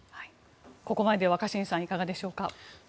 ここまで若新さんいかがですか。